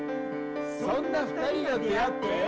そんな２人が出会って。